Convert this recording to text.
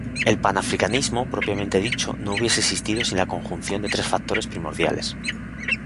El panafricanismo propiamente dicho no hubiese existido sin la conjunción de tres factores primordiales.